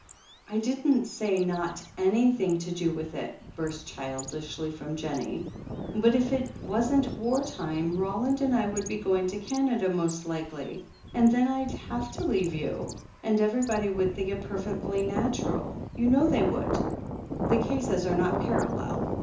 "I didn't say, 'not anything to do with it/ " burst childishly from Jennie. "But if it wasn't war time, Roland and I would be going to Canada most likely, and then Fd have to leave you, and everybody would think it perfectly natural — ^you know they would." "The cases are not parallel.